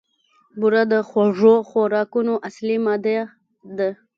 بوره د خوږو خوراکونو اصلي ماده ده.